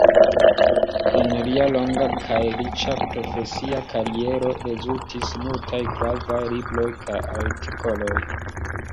En lia longa kaj riĉa profesia kariero rezultis multaj gravaj libroj kaj artikoloj.